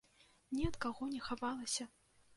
Ні ад каго не хавалася.